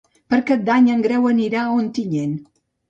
Per Cap d'Any en Grau anirà a Ontinyent.